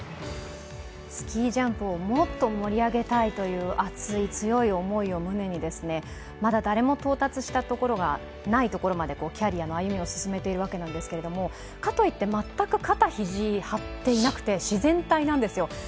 スキージャンプをもっと盛り上げたいという熱い強い思いを胸にまだ誰も到達したところがないところまでキャリアの歩みを進めているわけなんですが、かといって全く肩肘張っていなくて自然体なんですよ。